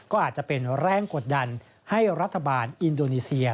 ก็อาจจะเป็นแรงกดดันให้รัฐบาลอินโดนีเซีย